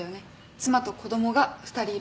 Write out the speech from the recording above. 妻と子供が２人いる。